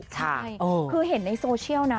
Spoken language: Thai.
ใช่คือเห็นในโซเชียลนะ